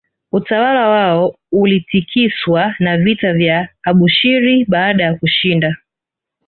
Utawala wao ulitikiswa na vita ya Abushiri baada ya kushinda